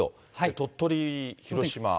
鳥取、広島。